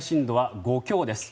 最大深度は５強です。